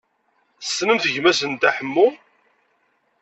Tessnemt gma-s n Dda Ḥemmu?